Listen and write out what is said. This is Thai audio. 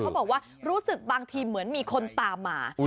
บอกว่ารู้สึกบางทีเหมือนมีคนตามมา